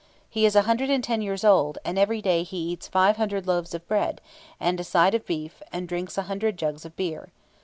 He is a hundred and ten years old, and every day he eats five hundred loaves of bread, and a side of beef, and drinks a hundred jugs of beer.